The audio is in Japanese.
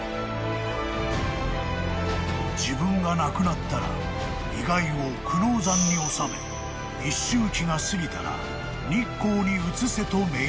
［自分が亡くなったら遺骸を久能山に納め一周忌が過ぎたら日光に移せと命じた］